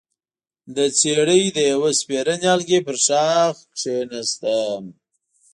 د څېړۍ د يوه سپېره نيالګي پر ښاخ کېناستم،